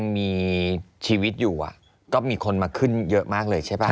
มีชีวิตอยู่ก็มีคนมาขึ้นเยอะมากเลยใช่ป่ะ